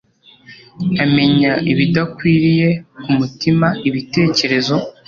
amenya ibidakwiriye kumutima ibitekerezo